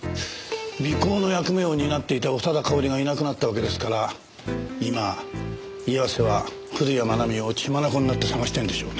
尾行の役目を担っていた長田かおりがいなくなったわけですから今岩瀬は古谷愛美を血眼になって捜してるんでしょうね。